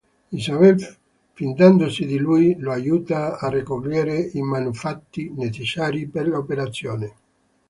Isabel fidandosi di lui, lo aiuta a raccogliere i manufatti necessari per l'operazione.